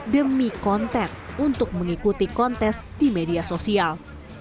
demi konten untuk mengikuti kontes di media sosial